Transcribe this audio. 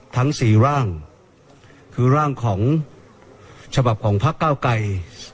ทั้งสี่ร่างคือร่างของฉบับของพักเก้าไกร